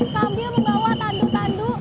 sambil membawa tandu tandu